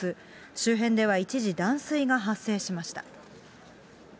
周辺では一時断水が発生しました。